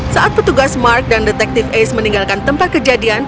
saat petugas mark dan detective ace meninggalkan tempat kejadian